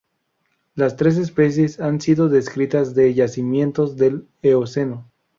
Las tres especies han sido descritas de yacimientos del Eoceno.